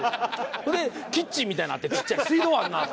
それでキッチンみたいになっててちっちゃい水道あるなと。